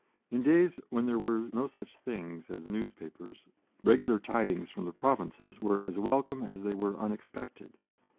In days when there were no such things as newspapers, regular tidings from the provinces were as welcome as they were unexpected.